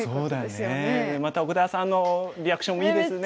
また奥田さんのリアクションもいいですね。